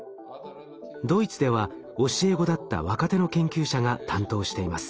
ドイツでは教え子だった若手の研究者が担当しています。